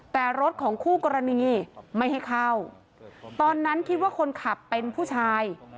แต่รถของคู่กรณีไม่ให้เข้าตอนนั้นคิดว่าคนขับเป็นผู้ชาย